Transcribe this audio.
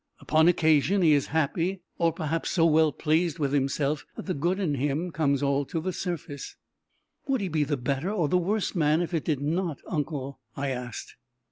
Upon occasion, he is so happy, or perhaps so well pleased with himself, that the good in him comes all to the surface." "Would he be the better or the worse man if it did not, uncle?" I asked.